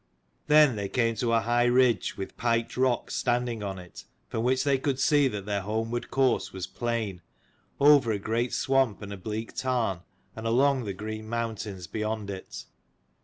Then they came to a high ridge, with piked rocks standing on it, from which they could see that their homeward course was plain, over a great swamp and a bleak tarn, and along the green mountains beyond it.